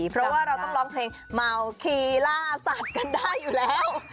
เพราะว่าเราต้องร้องเพลงเมาคีล่าสัตว์กันได้อยู่แล้ว